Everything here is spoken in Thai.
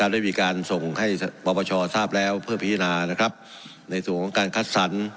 ด้วยวิการส่งให้ประบาทชอบทราบแล้วเพื่อผิดดานะครับในส่วนของการคัดสรร